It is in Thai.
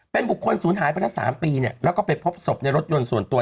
เป็นบุคคลสูญหายไปตั้งแต่๓ปีแล้วก็ไปพบศพในรถยนต์ส่วนตัว